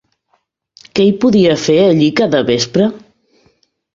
Què hi podia fer allí cada vespre?